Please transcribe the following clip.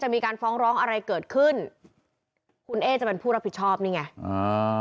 มีการฟ้องร้องอะไรเกิดขึ้นคุณเอ๊จะเป็นผู้รับผิดชอบนี่ไงอ่า